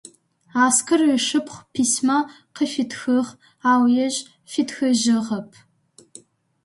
Аскэр ышыпхъу письма къыфитхыгъ, ау ежь фитхыжьыгъэп.